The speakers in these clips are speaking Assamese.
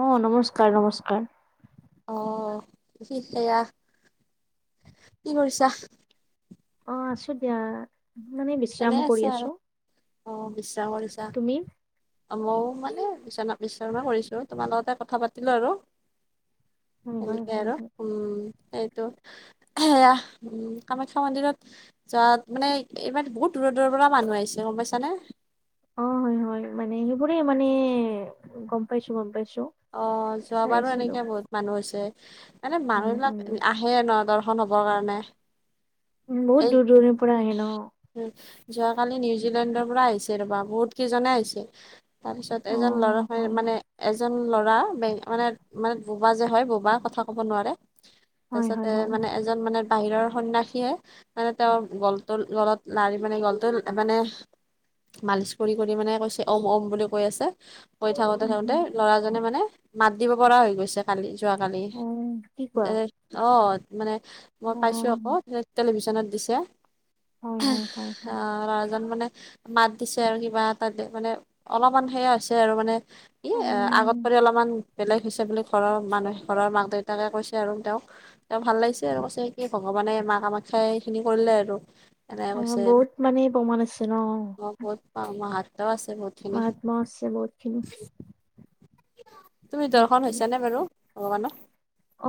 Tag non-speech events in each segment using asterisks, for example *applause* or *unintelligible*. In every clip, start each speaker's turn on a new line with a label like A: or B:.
A: অ নমস্কাৰ নমস্কাৰ
B: অ সি সেয়া কি কৰিছা
A: অ আছো দিয়া। মানে বিশ্ৰাম
B: এনেই
A: কৰি
B: আচা আৰু
A: আছো
B: অ বিশ্বাস কৰিছা।
A: তুমি
B: অ ময়ো মানে বিচনা বিচনা কৰিছো, তোমাৰ লগতে কথা পাতিলো আৰু।
A: হয় হয়
B: এনেকে
A: হয়
B: আৰু
A: হয়
B: উম সেইটো, এয়া উ কামাখ্যা মন্দিৰত যোৱাত মানে ইমান বহুত দূৰৰ দূৰ পৰা মানুহ আহিছে গম পাইছ নে?
A: অ হয় হয় মানে সেইবোৰে মানে গম পাইছো গম পাইছো
B: অ যোৱাবাৰ ও
A: চাইছিলো
B: এনেকে বহুত মানুহ হৈছে, মানে
A: উম
B: মানুহ
A: উম
B: বিলাক আহে ন দ কৰিবৰ কাৰণে
A: বহুত
B: এই
A: দূৰ দূৰণিৰ পৰা হে ন?
B: যোৱাকালি নিউজিলেণ্ডৰ পৰা আহিছে, বা বহুত কেইজনে আহিছে। তাৰপিছত
A: অ
B: এজন ল'ৰা হৈ মানে এ এজন ল'ৰা মানে মানে বোবা যে হয় বোবা কথা ক'ব নোৱাৰে,
A: হয়
B: তাৰপিছতে
A: হয় হয় হয়।
B: মানে এজন মানে বাহিৰৰ সন্যাসীয়ে মানে তেওঁ গলটো গলত নাৰি মানে গলটো মানে মালিচ কৰি কৰি মানে কৈছে ওম ওম বুলি কৈ আছে। কৈ থাকোতে
A: উম
B: থাকোতে,
A: উম
B: ল'ৰাজনে মানে মাত দিব পৰা হৈ গৈছে কালি। যোৱাকালি,
A: অ কি কোৱা
B: এ অ মানে মই
A: অ
B: পাইছো আকৌ তেতিয়া ত দিছে।
A: হয় হয় হয় হয়।
B: আহ ল'ৰাজন মানে মাত দিছে আৰু কিবা এটা মানে অলপমান সেয়া হৈছে আৰু মানে ই
A: অ
B: আগত কৰি অলপমান বেলেগ হৈছে বুলি ঘৰৰ মানুহে ঘৰৰ মাক দেউতাকে কৈছে আৰু তেওঁক তেওঁক ভাল লাগিছে আৰু কৈছে কি ভগৱানে মাক আমাক খাই সেইখিনি কৰিলে আৰু। এৰাই
A: অ
B: কছে
A: বহুত মানে প্ৰমাণ আছে ন
B: মই বহত পাওঁ মাত
A: মাত মৰছে বহুতখিনি।
B: তুমি দৰ্শন হৈছে নে বাৰু ভগৱানৰ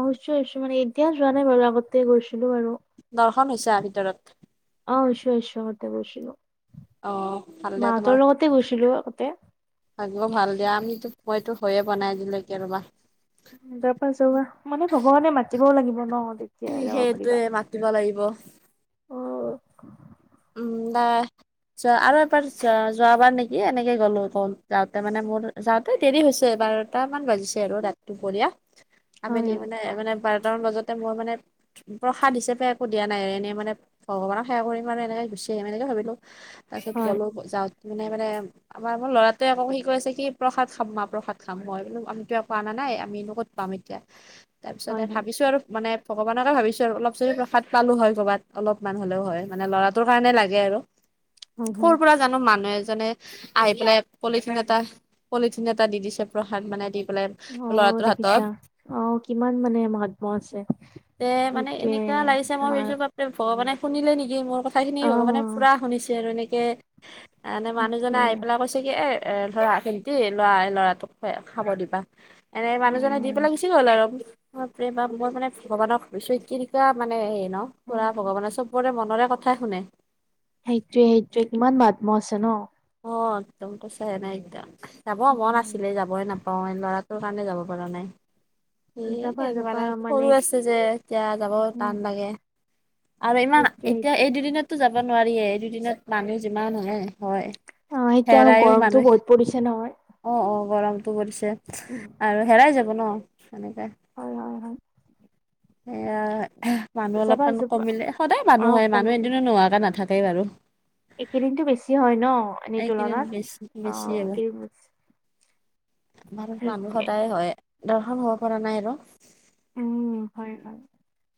A: হৈছোঁ হৈছোঁ মানে এতিয়া যোৱা নাই বাৰু আগতে গৈছিলো বাৰু।
B: মন হৈছে ভিতৰত।
A: অহ গৈছোঁ গৈছোঁ আগতে গৈছিলোঁ।
B: অ ভাল দিয়া, তোমাৰ
A: আগতে
B: থাকিব ভাল দিয়া আমিতো মইতো গৈয়ে পোৱা নাই আজিলৈকে ৰবা।
A: মানে ভগৱানে মাতিবও লাগিব ন। তেতিয়া যাব পাৰিবা
B: সেইটোৱে মাতিব লাগিব।
A: হয়
B: উম নাই আৰু এবাৰ যোৱাবাৰ নেকি দ এনেকে গ'লো ক' যাওঁতে মানে মোৰ যাওঁতে দেৰি হৈছে বাৰটা মান বাজিছে আৰু ৰাতি দুপৰীয়া আমি
A: হয়
B: নিপেনে মানে বাৰ তাৰ মাজতে মই মানে প্ৰসাদ হিচাপে একো দিয়া নাই, এনেই মানে ভগৱানক সেৱা কৰিম। মানে এনেকে গুচি আহিম এনেকে ভাবিলো তাৰ পিছ
A: হয়
B: গলো যাওঁ মানে মানে আমাৰ মোৰ ল'ৰাটোৱে আকৌ সি কৈছে কি প্ৰসাদ খাম মা প্ৰসাদ খাম, মই বো আমিতো একো আনা নাই নাই আমিনো ক'ত পাম এতিয়া তাৰপিছত
A: হয় হয়
B: ভাবিছো আৰু মানে ভগৱানকে ভাবিছো আৰু অলপ যদি প্ৰসাদ পালো হয়' কৰবাত অলপমান হ'লেও হয়। মানে ল'ৰাটোৰ কাৰণে লাগে আৰু
A: হয়
B: কৰ
A: হয়।
B: পৰা জানো মানুহ জনে আহি পেলাই পলিথিন এটা পলিথিন এটা দি দিছে প্ৰসাদ মানে দি পেলাই
A: আহ
B: ল'ৰাটোৰ হাতত
A: দেখিছা আহ কিমান মানে মহাত্মা আছে।
B: তে মানে
A: সেইটোৱে
B: এনেকা লাগিছে মই
A: তোমাৰ
B: বাপৰে ভগবানে শুনিলে নেকি মোক। কথাখিনি
A: অ
B: ভগৱানে পুৰা শুনিছে আৰু এনেকৈ মানে মানুহজনে আহি
A: সেইটোৱে
B: পেলাই কৈছে কি এ এ লোৱা ভণ্টি লৰা লৰাটোক খাব দিবা। এনে
A: অ
B: মানুহজনে দি পেলাই গুচি গ'ল আৰু। অ প্ৰেম আৰু মই মানে ভগৱানক ভাবিছো মানে কেনেকুৱা হেৰি ন
A: অ
B: পুৰা ভগৱানে চবৰে মন মনৰে কথাই শুনে।
A: সেইটোৱে সেইটোৱে কিমান মহাত্মা আছে ন।
B: অ একদম তাৰপিছত এনাইক, যাব মন
A: উম
B: আছিলে যাবই নাপ ল'ৰাটোৰ কাৰণে যাব পৰা নাই।
A: যাবা
B: এ
A: যাবা
B: মানে সৰু আছে যে এতিয়া যাব
A: উম
B: টান লাগে। আৰু ইমান,
A: সেইটোৱে
B: এতিয়া
A: সেইটোৱে
B: এই দুদিনতো যাব নোৱাৰি এই, দুদিনত মানুহ যিমান হে হয়।
A: অ সেইটো আৰু
B: হেৰাইও
A: গৰমতো
B: মানুহ
A: বহুত পৰিছে ন।
B: অ অ গৰমটো পৰিছে
A: উম
B: আৰু হেৰাই যাব ন সেনেকে।
A: হয় হয় হয়
B: এয়া মানুহ
A: যাবা
B: অলপমান
A: যাবা
B: কমিলে সদায়
A: অ
B: মানুহ হয় মানুহ এদিনো নোহোৱাকে নাথাকে তাকেই বাৰু।
A: একেইদিনতটো বেছি হয় ন এনেই
B: এইকেইদিন
A: তুলনাত
B: বেছি
A: অ কি।
B: আৰত মানুহ সদায় হয় দৰ্শন হব পৰা নাই আৰু।
A: উম হয় হয়।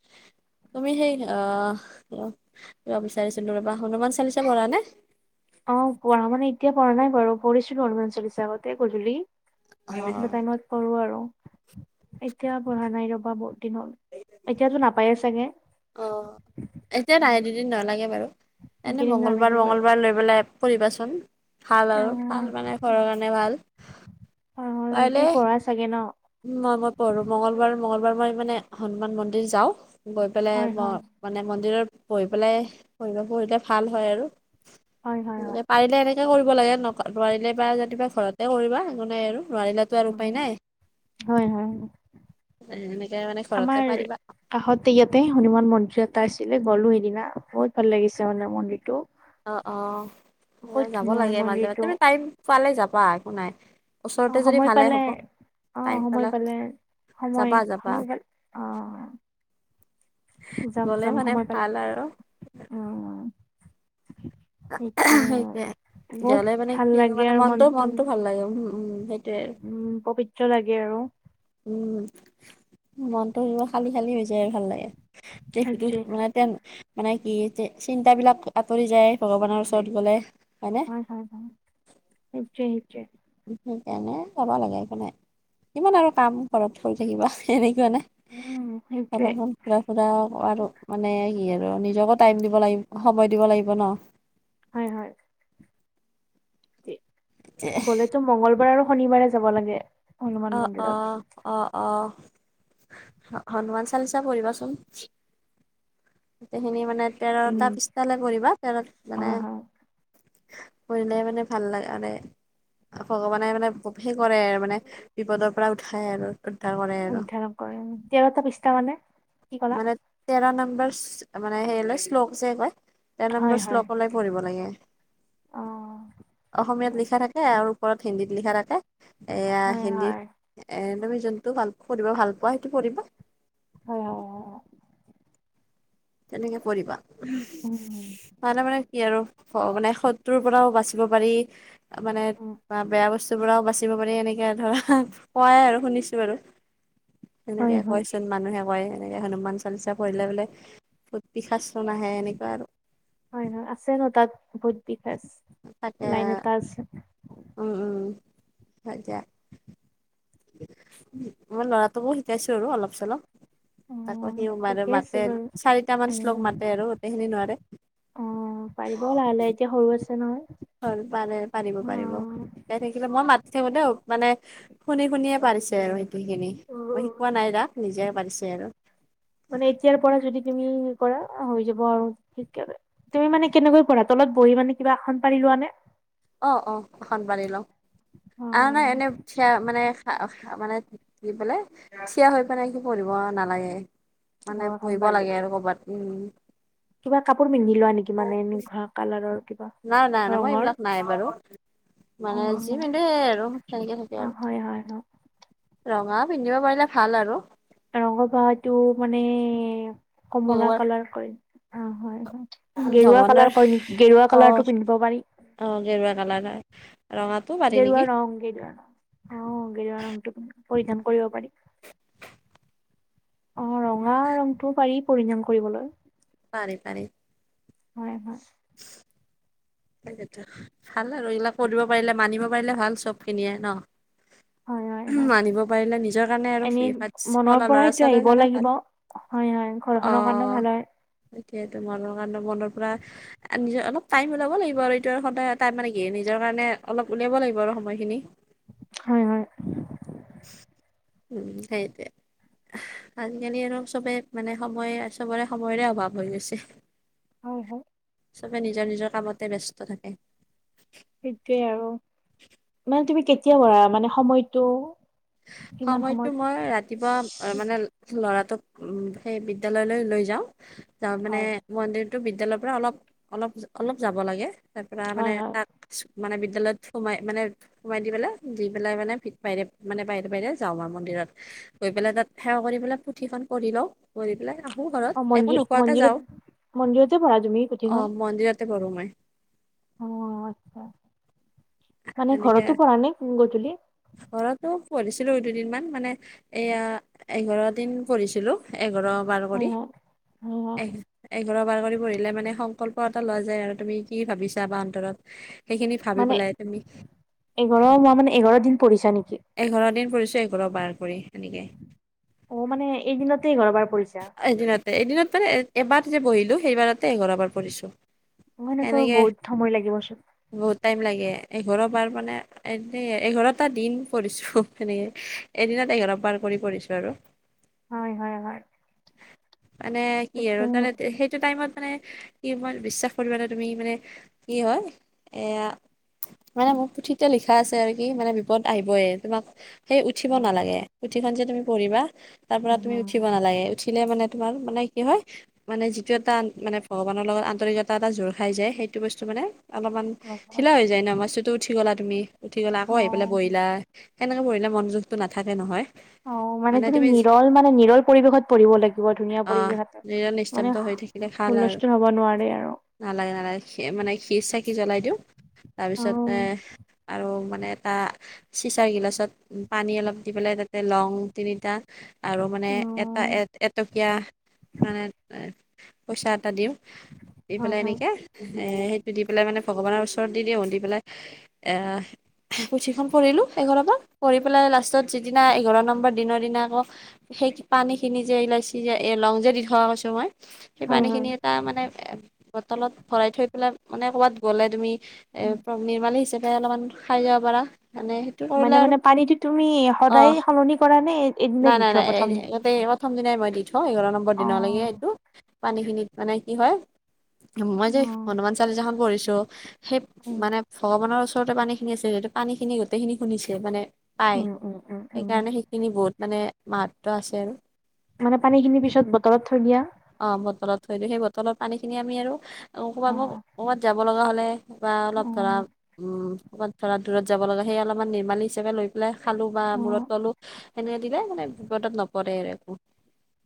B: *unintelligible* তুমি সেই, আহ কিবা বিচাৰিচিলো ৰবা, হনুমান চালিচা পঢ়া নে।
A: অ পঢ়া মানে এতিয়া পঢ়া নাই বাৰু পঢ়িছিলো হনুমান চলিচা আগতে গধূলি। সেইটা টাইমত কৰো আৰু এতিয়া পঢ়া নাই ৰবা বহুত দিন হ'ল, এতিয়াতো নাপায়ে চাগে?
B: অ এতিয়া নাই
A: উম
B: দুদিন নালাগে বাৰু এনেই
A: এইকেইদিন নালাগে
B: মংগলবাৰ
A: বাৰু
B: মঙগলবাৰ লৈ পেলাই পঢ়িবা চোন ভাল
A: অ
B: আৰু ভাল মানে ঘৰৰ কাৰণে ভাল
A: অহ, হয় তুমি পঢ়া চাগে ন'?
B: উম, মই -মই পঢ়ো, মঙ্গলবাৰ- মঙ্গলবাৰ মই মানে হনুমান মন্দিৰ যাওঁ। গৈ পেলাই
A: হয় হয়
B: মই মানে মন্দিৰত বহি পেলাই পঢ়িব বহিলে ভাল হয় আৰু।
A: হয় হয় হয়
B: পাৰিলে এনেকে কৰিব লাগে ন' নোৱাৰিলে পাৰা যদি ঘৰতে কৰিবা একো নাই আৰু। নোৱাৰিলেতো আৰু
A: উম
B: উপায় নাই।
A: হয় -হয়
B: এনেকে মানে ঘৰতে
A: আমাৰ
B: পাৰিবা
A: কাষতে ইয়াতে হনুমান মন্দিৰ এটা আছে আজি গ'লো সেইদিনা বহুত ভাল লাগিছে মানে মন্দিৰটো।
B: অহ - অহ
A: বহুত
B: যাব
A: ধুনীয়া হয়
B: লাগে মাজে -মাজে
A: মন্দিৰটো
B: তুমি টাইম পালে যাবা একো নাই। ওচৰতে
A: অহ,
B: যদি
A: সময়
B: ভালে
A: পালে
B: হ'ব
A: অহ, সময় পালে
B: যাবা যাবা
A: যাম-
B: গ'লে
A: যাম
B: মানে
A: সময় পালে,
B: ভাল আৰু
A: অহ।
B: সেইটোৱে।
A: আৰু বহুত
B: জলে মানে
A: ভাল
B: কি *unintelligible*
A: লাগে
B: মানে
A: আৰু
B: মনটো- মনটো ভাল লাগে উম -উম সেইটোৱে
A: ত 'লাগে আৰু।
B: উম, মনটো কিবা খালি- খালি হৈ যায় ভাল লাগে তে হেতু
A: সেইটোৱে
B: মই এতিয়া মানে কি চিন্তাবিলাক আঁতৰি যায় ভগৱানৰ ওচৰত গ'লে। হয়নে
A: হয় -হয় -হয় সেটোৱে - সেটোৱে।
B: *unintelligible* যাব লাগে একো নাই কিমান আৰু কাম ঘৰত কৰি থাকিবা এনেই যোৱা নে
A: উম সেইটোৱে
B: অলপমান ফুৰা- ফুৰা আৰু মানে কি আৰু আৰু নিজকো টাইম দিব লাগিব সময় দিব লাগিব ন'।
A: হয় হয় *unintelligible* গলেতো মংগলবাৰ আৰু শনিবাৰে যাব লাগে। হনুমান
B: অহ
A: মন্দিৰত
B: -অহ -অহ। অহ, হনুমান চালিচা পঢ়িবাচোন। গোটেইখিনি মানে
A: উম
B: তেৰটা পিছটালৈ পঢ়িবা তেৰ মানে
A: হয় হয়
B: পঢ়িলে মানে ভাল লাগা নে ভগৱানে মানে গভীৰ কৰে আৰু মানে বিপদৰ পৰা উঠাই আৰু। উদ্ধাৰ কৰে আৰু
A: উদ্ধাৰ কৰে তেৰটা পৃষ্ঠা মানে কি
B: *unintelligible*
A: ক'লা?
B: মানে তেৰ নাম্ব ইচ মানে *unintelligible* শ্লোক যে কয় তেৰ নম্বৰ
A: হয় হয়।
B: শ্লোকলৈ পঢ়িব লাগে।
A: অ
B: *inaudible*
A: সেইটো
B: অসমীয়াত লিখা থাকে আৰু ওপৰত হিন্দীত লিখা থাকে এয়া
A: হয়
B: হিন্দী
A: হয়
B: এ' তুমি যোনটো ভাল পঢ়িব ভাল পোৱা সেইটো পঢ়িবা।
A: হয় হয় হয়
B: তেনেকে পঢ়িবা
A: উম উম
B: *unintelligible* পাৰলে মানে কি আৰু। মানে শত্ৰুৰ পৰাও বাচিব পাৰি মানে
A: উম
B: বা বেয়া বস্তুৰ পৰাও বাচি বাচিব পাৰি এনেকে ধৰা কয় আৰু শুনিছো বাৰু।
A: হয়
B: সেনেকে
A: হয়
B: কয়চোন মানুহে কয় এনেকে হনুমান চালিচা পঢ়িলে বোলে ভূত - পিশাচ নাহে এনেকুৱা আৰু।
A: হয়, নহ আছে ন' তাত ভূত পি বছ
B: তাকে
A: লাইন এটা আছে।
B: হয় দিয়া। মই লৰাটোকো শিকাইছো আৰু অলপ- চলপ।
A: অ
B: তাকো সিও মাৰে
A: ঠিকে আছে
B: মাতেন
A: বাৰু
B: চাৰিটা মান শ্লোক মাতে আৰু গোটেই খিনি নোৱাৰে।
A: অহ, পাৰিব লাহে -লাহে এতিয়া সৰু আছে। নহয়
B: হল পাৰে পাৰিব
A: অ
B: -পাৰিব গাই থাকিলে মই মাতি থাকো মানে শুনি- শুনিয়ে পাৰিছে আৰু সেইটিখিনি
A: অ
B: মই
A: অ
B: শিকোৱা নাই না নিজে পাৰিছে আৰু।
A: মানে এতিয়াৰ পৰা যদি তুমি কৰা হৈ যাব আৰু তেতিয়ালৈ তুমি মানে কেনেকৈ কৰা তাত বহি মানে কিবা আঁসন পাৰি লোৱা নে?
B: অহ - অহ আখন পাৰি লওঁ
A: অ
B: আৰু নাই এনে *unintelligible* দি পেলাই থিয়া হৈ পেলাই সি পঢ়িব নালাগে।
A: অ
B: মানে
A: আসন
B: পঢ়িব
A: পাৰি ল'ব
B: লাগে আৰু কৰ'বাত উম।
A: কিবা কাপোৰ পিন্ধি লোৱা নেকি মানে এ কালাৰৰ কিবা
B: নাই নাই নাই মই
A: ৰঙৰ
B: এইবিলাক নাই বাৰু।
A: অ
B: মানে যিমানে আৰু তেনেকে থাকে
A: অ হয় হয় হয়
B: আৰু। ৰঙা পিন্ধিব পাৰিলে ভাল আৰু
A: ৰঙৰ ভহাটো মানে কমলা
B: ভগৱান
A: কালাৰ কৰি। গেৰুৱা
B: ভগৱানৰ
A: কালাৰ কয় নেকি গেৰুৱা
B: অ
A: কালাৰটো পিন্ধিব পাৰি।
B: অ গেৰুৱা কালাৰ হয় ৰঙাত।
A: গেৰুৱা ৰং গেৰুৱা ৰং অ গেৰুৱা ৰংটো পৰিধান কৰিব পাৰি অ ৰঙা ৰংটোও পাৰি পৰিধান কৰিবলৈ।
B: পাৰে পাৰে।
A: হয়, হয়।
B: *unintelligible* সেইটো ভাল আৰু এইবিলাক কৰিব পাৰিলে মানিব পাৰিলে ভাল চব খিনিয়ে ন
A: হয় হয়
B: *unintelligible*
A: হয়
B: মানিব পাৰিলে নিজৰ কাৰণে আৰু
A: এনেই
B: সেই
A: মনৰ
B: ভাতলা
A: পৰা
B: ল'ৰা
A: সেইটো
B: ছোৱালীৰ
A: আহিব
B: কাৰণে
A: লাগিব
B: ভাল
A: হয়, হয় ঘৰখনৰ কাৰণেও ভাল হয়।
B: সেয়টো মনৰ কাৰণে মনৰ পৰা নিজ অলপ টাইম ওলাব লাগিব আৰু এইটো সদায় মানে ঘ নিজৰ কাৰণে অলপ উলিয়াব লাগিব আৰু সময়খিনি।
A: হয়, হয়।
B: এ এ আজিকালি আৰু চবে মানে সময় চবৰে সময়ৰে অভাৱ হৈ গৈছে
A: হয়, হয়।
B: চবে নিজৰ নিজৰ কামতে ব্যস্ত থাকে।
A: সেইটোৱে আৰু মানে তুমি কেতিয়া কৰা মানে সময়টো কিমান
B: সময়টো
A: সময়ত
B: মই ৰাতিপুৱা মানে লৰা টো সেই বিদ্যালয়লৈ লৈ যাওঁ যাওঁ মানে
A: হয়
B: মন্দিৰতো বি বিদ্যালয়ৰ পৰা অলপ অলপ অলপ যাব লাগে তাৰ পৰা
A: হয়
B: মানে
A: হয়
B: ৰাতি কিছুমান মানে বিদ্যালয়ত সোমাই মানে সোমাই দি পেলাই দি পেলাই মানে মানে বাহৰে বাহি যাওঁ আমাৰ মন্দিৰত গৈ পেলাই তাত সেৱা কৰি পেলাই পুথিখন কৰি লওঁ কৰি পেলাই ঘৰত
A: অ
B: এটো
A: মন্দিৰ
B: নোখোৱাতে
A: মন্দিৰত
B: যাও
A: মন্দিৰতে পঢ়া তুমি
B: অ
A: পুথিখন
B: মন্দিৰতে কৰো মই।
A: অ আচ্ছা মানে
B: সেনেকে
A: ঘৰতো পঢ়া নে গধুলি
B: ঘৰতো পঢ়িছিলো দুদিন মান মানে এয়া এঘাৰ দিন পঢ়িছিলো এঘাৰ বাৰ
A: হয়
B: কৰি
A: হয় হয় হয়
B: এঘাৰ বাৰ কৰি পঢ়িলে মানে সংকল্প এটা লোৱা যায় আৰু তুমি কি ভাবিছা বা অন্তৰত। সেইখিনি ভাবি
A: মানে
B: পেলাই তুমি
A: এঘাৰ মই মানে এঘাৰ দিন পঢ়িছা নেকি।
B: এঘাৰ দিন পঢ়িছো এঘাৰ বাৰ কৰি সেনেকে।
A: অ মানে এইদিনতে এঘাৰ বাৰ পঢ়িছা
B: এদিনতে এদিনত মানে এবাৰ যে বহিলো সেইবাৰতে এঘাৰ বাৰ পঢিছো
A: ম এনেকাৱা বহুত সময় লাগিবচোন
B: বহুত টাইম লাগে এঘাৰ বাৰ মানে এ এঘাৰটা দিন কৰিছো এনেকে এদিন অলপ বাৰ কৰি পঢ়িছো আৰু।
A: হয় হয় হয়
B: মানে কি আৰু
A: তাকে
B: তমানে সেইটো টাইমত। মানে কি মই বিশ্বাস কৰ এনে তুমি মানে কি হয় এয়া মানে মোৰ পুথিতে লিখা আছে আৰু কি মানে বিপদ আহিবই তোমাক সেই
A: অ
B: উঠিব নালাগে উঠিখন যে তুমি পঢ়িবা তাৰ পৰা
A: উম
B: তুমি
A: উম।
B: উঠিব নালাগে উঠিলে মানে তোমাৰ মানে কি হয় মানে যিটো এটা মানে ভগৱানৰ লগত আন্তৰিকতা এটা জোৰ খাই য যে সেইটো বস্তু মানে। অলপমান ঢিলা
A: অ
B: হৈ যায় ন মাছুতো উঠি গলা তুমি উঠি গলা আকৌ আহি পেলাই বহিলা। সেনেকে পঢ়িল মনযোখটো নাথাকে নহয়।
A: অ মানে তুমি নিৰল মানে নিৰল। পৰিৱেশত পৰিব লাগিব ধুনীয়া
B: আহ
A: পৰিৱেশতে
B: নিজৰ নিস্তব্ধ
A: মানে
B: হৈ থাকিলে ভাল আৰু
A: হুল্স্থুল হব নোৱাৰে আৰু
B: নালাগে নালাগে মানে খি চাকি জ্বলাই দিওঁ
A: অ',
B: তাৰপিছতে আৰু মানে এটা চিচাৰ গিলাচত পানী অলপ দি পেলাই তাতে লং তিনিটা আৰু মানে এটা এ
A: অ',
B: এটকীয়া মানে পইচা এটা দিওঁ দি
A: হয়
B: পেলাই
A: হয়
B: এনেকে এ সেইটো দি পেলাই মানে ভগৱানৰ ওচৰত দি দিওঁ দি পেলাই। আহ পুথিখন পঢ়িলো এঘাৰ পৰা পঢ়ি পেলাই লাষ্টত যিদিনা এঘাৰ নম্বৰ দিনৰ দিনা আকৌ সেই। পানী খিনি যে ইলাচি যে এ লং যে দি থকা কৈছো মই সেই
A: হয়
B: পানী
A: হয়
B: খিনি এটা মানে এ। বটলত ভৰাই থৈ পেলাই মানে ক'বাত গ'লে তুমি এ
A: উ
B: নিৰ্মালী হিচাপে। অলপমান খাই যাব পাৰা মনেে সেইটো কৰিলে
A: মানে
B: আৰু।
A: মানে পানীটো তুমি
B: অ
A: সদায় সলনি কৰা নে এ এদিনে
B: নাই
A: দি
B: নাই
A: থোৱা
B: নাই
A: প্ৰথম দিনা
B: এইয়াতে। প্ৰথম দিনাই মই দি থওঁ এঘাৰ নম্বৰ
A: অ'।
B: দনৰলৈকে
A: অ',
B: এইটো পানীখিনিত মানে কি হয়। মই
A: উম
B: যে হনুমান চালিচাখন পঢ়িছো সেই মানে ভগৱানৰ ওচৰত ওৰতে পানীখিনি আছে। পানী খিনি গোটেইখিনি শুনি মানে। পায়
A: উম উম। উম উম
B: সেইকাৰণে সেইখিনি বহুত মানে মাহাত্ব আছে আৰু।
A: মানে পানী খিনি পিছত বটলত থৈ দিয়া।
B: অঁ বটলত থৈ দিওঁ সেই বটলত পানীখিনি আমি আৰু ক'ৰবাত
A: অ
B: মোক ক'ৰবাত যাব লগা হ'লে। বা
A: অ
B: অলপ ধৰা উম ক'ৰবাত ধৰা দূৰত যাব লগা সেই অলপমান নিৰ্মালি হিচাপে লৈ পেলাই খালো বা
A: অ
B: মূৰত ললো সেনেকে দিলে মানে বিপদত নপৰে আৰু একো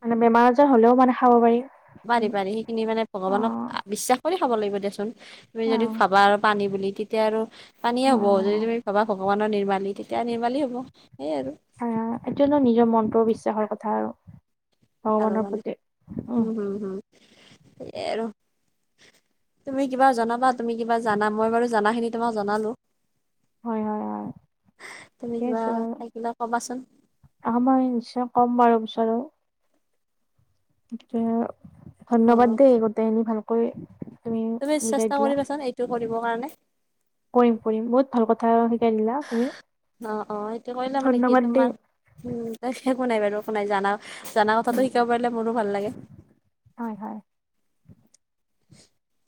A: মানে বেমাৰ আজাৰ হ'লেও মানে খাব পাৰিম।
B: পাৰি পাৰি সেইখিনি মানে ভগৱানক বিশ্বাস কৰি খাব লাগিব দেচোন। তুমি
A: অ
B: যদি ভাবা আৰু পানী বুলি তেতিয়া আৰু পানীয়েে হ'ব যদি
A: অ',
B: তুমি ভাবা ভগৱানৰ নিৰ্মালি নিবালেই হ'ব। সেইয়াই আৰু
A: অ এইটো নো নিজৰ মনটো বিশ্বাসৰ কথা আৰু ভগৱানৰ
B: আলানে,
A: প্ৰতি
B: উম হম হম এ তুমি কিবা জনাবা তুমি কিবা জানা মই বাৰু জনা খিনি তোমাক জনালো। *unintelligible* তুমি কিবা থাকিলে ক'বাচোন
A: *unintelligible* আমাৰ *unintelligible* কম বাৰু। আৰু
B: অ
A: ধন্যবাদ দেই গোটেইখিন ভালকৈ।
B: তুমি
A: বুজাই
B: চেষ্টা
A: দিলা
B: কৰিবাচোন এইটো কৰিব কাৰণে।
A: কৰিম কৰিম বহুত ভাল কথা। শিকাই দিলা তুমি
B: অ অ সেইটো কৰিলে মানে কি
A: ধন্যবাদ দেই
B: তোমাৰ উ। একো নাই বাৰু একো নাই জানা জা
A: উম
B: কথাাতটো শিকাব পাৰিলে মোৰো ভাল লাগে।
A: হয় হয়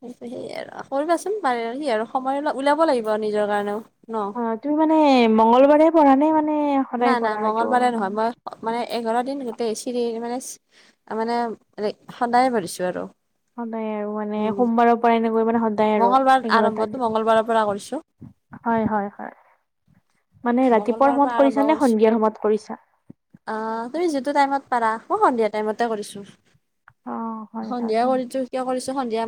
B: ত সে আৰু কৰিবাচোন সি আৰু সময় ওলাব লাগিব নিজৰ কাৰণেও। ন
A: অ তুমি মানে মংগলবাৰে পঢ়া নে মানে। সদায়
B: নাই নাই
A: পঢ়া এইটো
B: মঙগলবাৰে
A: মানে
B: নহয় মই। মানে এঘাৰ দিন গোটেই চিৰি মানে মানে সদায় ভঢ়িছোঁ আৰু।
A: সদায় আৰু মানে
B: উম
A: সোমবাৰৰ পৰা এনেকৈ মানে সদায় আৰু
B: মংগলবাৰ
A: এঘাৰটা
B: আৰম্ভটো
A: দিন
B: মংগলবাৰৰ পৰা কৰিছো
A: হয় হয় হয় মানে ৰাতিপুৱাৰ সময়ত কৰিছা
B: অ
A: নে সন্ধিয়াৰ সময়ত কৰিছা
B: তুমি যিটো টাইমত পাৰা ম সন্ধিয়া টাইমতে কৰিছো
A: অ হয় হয়
B: সন্ধিয়া
A: হয়
B: কৰিছো কিয় কৰিছো সন্ধিয়া।